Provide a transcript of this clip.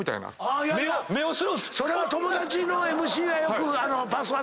それは友達のＭＣはよくパス渡して。